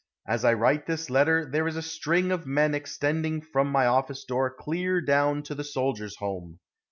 As I write this letter, there is a string of men extending from my office door clear down to the Soldiers' Home.